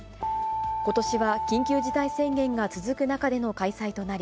ことしは緊急事態宣言が続く中での開催となり、